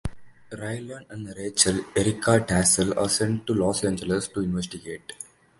Raylan and Rachel (Erica Tazel) are sent to Los Angeles to investigate.